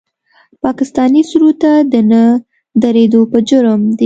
پاکستاني سرود ته د نه درېدو په جرم د